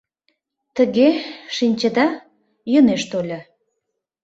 Тыге, шинчеда, йӧнеш тольо.